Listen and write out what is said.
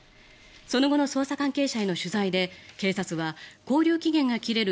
その後の捜査関係者への取材で警察は勾留期限が切れる